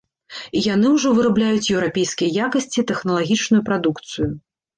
І яны ўжо вырабляюць еўрапейскай якасці тэхналагічную прадукцыю.